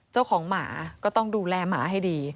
เจ้าของหมาก็ต้องดูแลหมาให้ดี